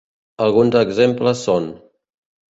Alguns exemples són.